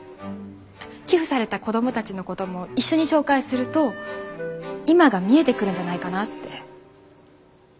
寄付された子どもたちのことも一緒に紹介すると今が見えてくるんじゃないかなって。